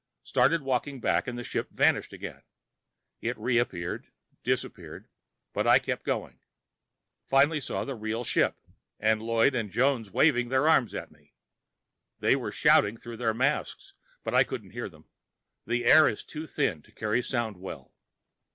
Started walking back, and the ship vanished again. It reappeared, disappeared, but I kept going. Finally saw the real ship, and Lloyd and Jones waving their arms at me. They were shouting through their masks, but I couldn't hear them. The air is too thin to carry sound well.